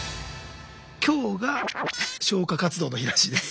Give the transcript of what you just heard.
今日が消火活動の日らしいです。